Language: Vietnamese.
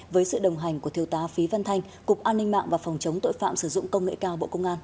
với sự đồng hành của thiếu tá phí văn thanh cục an ninh mạng và phòng chống tội phạm sử dụng công nghệ cao bộ công an